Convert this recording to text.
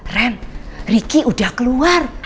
ren ricky udah keluar